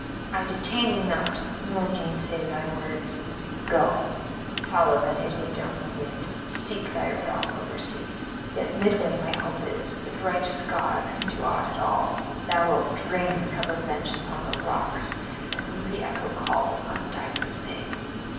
I detain thee not, nor gainsay thy words: go, follow thine Italy down the wind; seek thy realm overseas. Yet midway my hope is, if righteous gods can do aught at all, thou wilt drain the cup of vengeance on the rocks, and re echo calls on Dido's name.